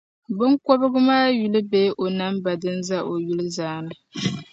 biŋkɔbigu maa yuli bee namba din ʒe o yuli zaani la.